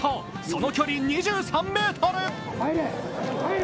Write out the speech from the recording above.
その距離２３ｍ。